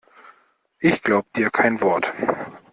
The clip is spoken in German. Ich glaub dir kein Wort!